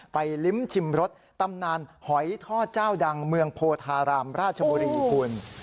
ลิ้มชิมรสตำนานหอยทอดเจ้าดังเมืองโพธารามราชบุรีคุณ